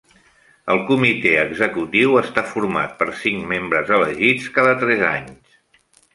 El comitè executiu està format per cinc membres elegits cada tres anys.